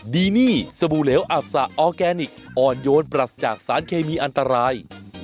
ดีนี่สบู่เหลวอับสะออร์แกนิคอ่อนโยนปรัสจากสารเคมีอันตราย